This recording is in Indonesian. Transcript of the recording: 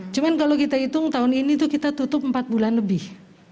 cuman kalau kita hitung tahun ini tuh kita tutup empat bulan lebih